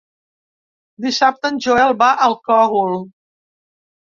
Dissabte en Joel va al Cogul.